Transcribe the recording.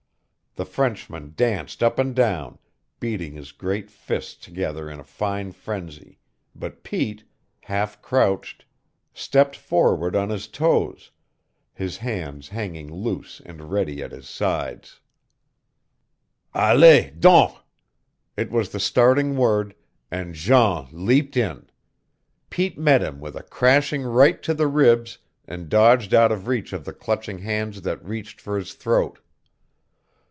The Frenchman danced up and down, beating his great fists together in a fine frenzy, but Pete, half crouched, stepped forward on his toes, his hands hanging loose and ready at his sides. "Allez, donc!" It was the starting word, and Jean leaped in. Pete met him with a crashing right to the ribs and dodged out of reach of the clutching hands that reached for his throat.